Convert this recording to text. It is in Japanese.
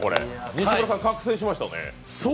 西村さん、覚醒しましたね。